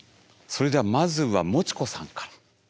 それではまずはもちこさんから。